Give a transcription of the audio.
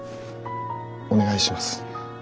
お願いします。